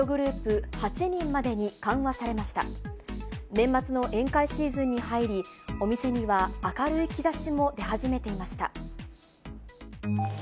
年末の宴会シーズンに入り、お店には明るい兆しも出始めていました。